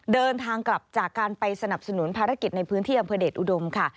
เดินทางกลับจากการไปสนับสนุนภารกิจในพื้นที่อำเภอเดชอุดมค่ะ